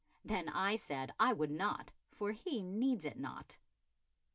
Then I said I would not, for he needs it not."